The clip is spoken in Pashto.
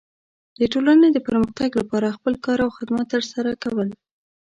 د ټولنې د پرمختګ لپاره خپل کار او خدمت ترسره کول.